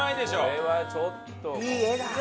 これはちょっともう。